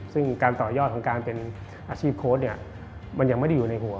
ซึ่งการต่อยอดของการเป็นอาชีพโค้ดเนี่ยมันยังไม่ได้อยู่ในหัว